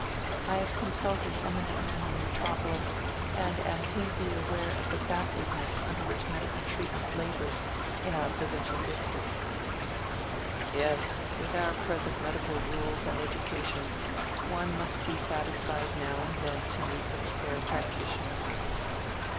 I have consulted eminent men in the metropolis, and I am painfully aware of the backwardness under which medical treatment labors in our provincial districts." "Yes;—with our present medical rules and education, one must be satisfied now and then to meet with a fair practitioner.